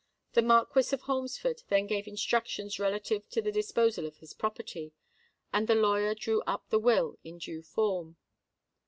The Marquis of Holmesford then gave instructions relative to the disposal of his property; and the lawyer drew up the will in due form.